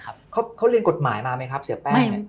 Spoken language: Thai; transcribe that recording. เขาเรียนกฎหมายมาไหมครับเสียแป้ง